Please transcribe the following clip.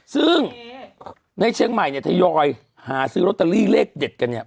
ซึ่งในเชียงใหม่เนี่ยทยอยหาซื้อลอตเตอรี่เลขเด็ดกันเนี่ย